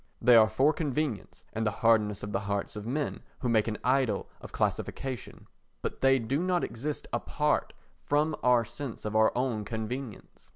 They are for convenience and the hardness of the hearts of men who make an idol of classification, but they do not exist apart from our sense of our own convenience.